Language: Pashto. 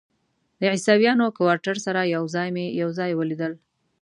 د عیسویانو کوارټر سره یو ځای مې یو ځای ولیدل.